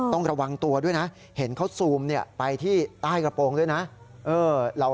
ต้องระวังตัวด้วยนะเห็นเขาซูมไปที่ใต้กระโปรงด้วยนะ